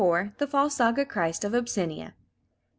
THE FALSE ZAGA CHRIST, OF ABYSSINIA.